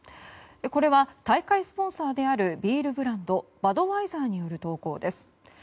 これは、大会スポンサーであるビールブランドバドワイザーによる投稿です。